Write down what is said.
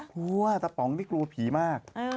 กลัวตะป๋องนี่กลัวผีมาก